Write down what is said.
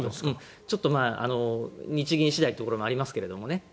ちょっと、日銀次第なところもありますが。